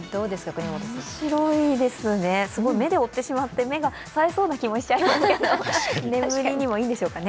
面白いですね、目で追ってしまって、目がさえそうな気もしちゃいますが眠りにもいいんでしょうかね。